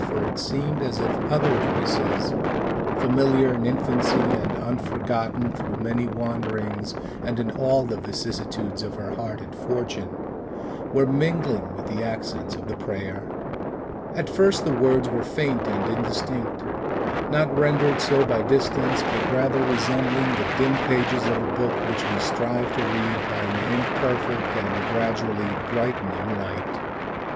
For it seemed as if other voices familiar in infancy, and unforgotten through many wanderings, and in all the vicissitudes of her heart and fortune were mingling with the accents of the prayer. At first the words were faint and indistinct, not rendered so by distance, but rather resembling the dim pages of a book which we strive to read by an imperfect and gradually brightening light.